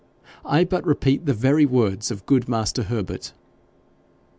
I but repeat the very words of good master Herbert.'